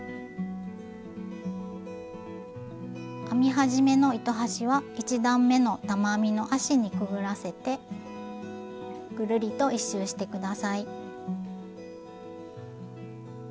編み始めの糸端は１段めの玉編みの足にくぐらせてぐるりと一周して下さい。